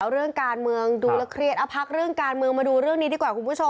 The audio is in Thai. เรื่องการเมืองดูแล้วเครียดเอาพักเรื่องการเมืองมาดูเรื่องนี้ดีกว่าคุณผู้ชม